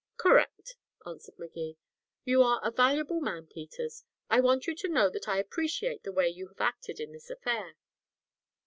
"Correct," answered Magee. "You are a valuable man, Peters. I want you to know that I appreciate the way you have acted in this affair."